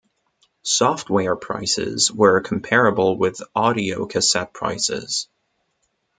Software prices were comparable with audio cassette prices.